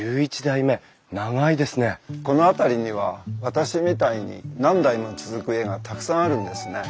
この辺りには私みたいに何代も続く家がたくさんあるんですね。